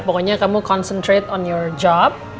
pokoknya kamu concentrate on year job